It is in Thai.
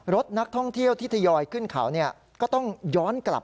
นักท่องเที่ยวที่ทยอยขึ้นเขาก็ต้องย้อนกลับ